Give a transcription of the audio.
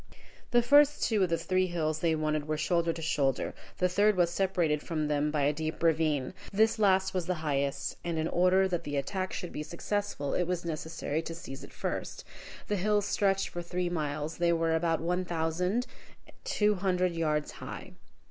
The first two of the three hills they wanted were shoulder to shoulder, the third was separated from them by a deep ravine. This last was the highest, and in order that the attack should be successful, it was necessary to seize it first. The hills stretched for three miles; they were about one thousand two hundred yards high.